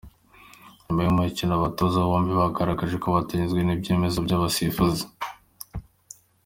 Nyuma y’uyu mukino, abatoza bombi bagaragaje ko batanyuzwe n’ibyemezo by’abasifuzi.